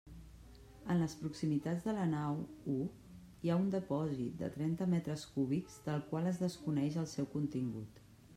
En les proximitats de la nau u hi ha un depòsit de trenta metres cúbics del qual es desconeix el seu contingut.